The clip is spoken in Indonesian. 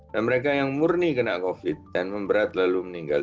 dan mereka yang murni kena covid sembilan belas dan memberat lalu meninggal